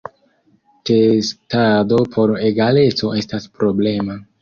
Testado por egaleco estas problema.